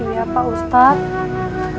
iya pak ustadz